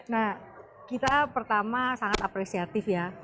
nah kita pertama sangat apresiatif ya